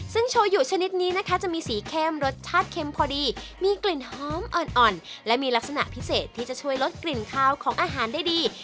ซึ่งโชยุชนิดนี้นะคะจะมีสีเข้มรสชาติเค็มพอดีมีกลิ่นหอมอ่อนและมีลักษณะพิเศษที่จะช่วยลดกลิ่นคาวของอาหารได้ดี